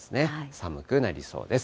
寒くなりそうです。